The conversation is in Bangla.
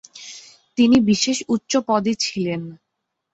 তিনি বিশেষ উচ্চ পদে ছিলেন।